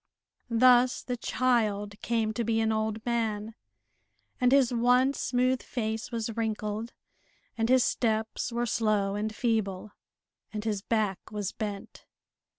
Thus the child came to be an old man, and his once smooth face was wrinkled, and his steps were slow and feeble, and his back was bent.